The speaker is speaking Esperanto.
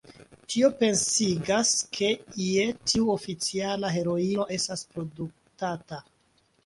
Tio pensigas, ke ie tiu oficiala heroino estas produktata.